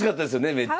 めっちゃ。